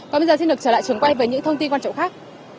còn bây giờ xin được trở lại trường quay với những thông tin quan trọng khác